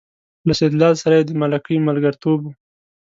له سیدلال سره یې د ملکۍ ملګرتوب و.